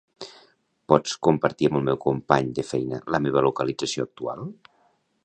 Pots compartir amb el meu company de feina la meva localització actual?